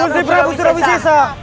gusti prabu surabisisa